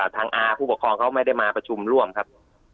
อาผู้ปกครองเขาไม่ได้มาประชุมร่วมครับ